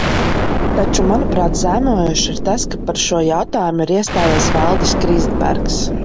Taču, manuprāt, zaimojoši ir tas, ka par šo jautājumu ir iestājies Valdis Krisbergs.